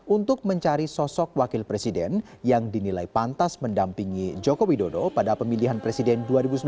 untuk mencari sosok wakil presiden yang dinilai pantas mendampingi joko widodo pada pemilihan presiden dua ribu sembilan belas